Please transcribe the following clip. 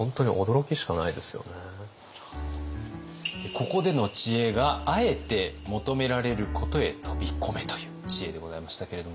ここでの知恵が「あえて求められることへ飛び込め！」という知恵でございましたけれども。